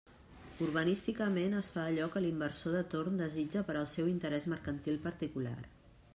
Urbanísticament es fa allò que l'inversor de torn desitja per al seu interés mercantil particular.